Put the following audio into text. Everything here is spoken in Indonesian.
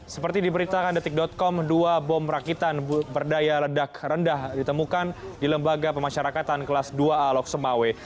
seperti diberitakan detik com dua bom rakitan berdaya ledak rendah ditemukan di lembaga pemasyarakatan kelas dua a loksemawe